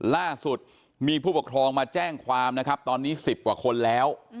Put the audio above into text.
ล่าสุดมีผู้ปกครองมาแจ้งความนะครับตอนนี้๑๐กว่าคนแล้ว